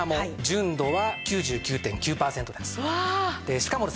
しかもですね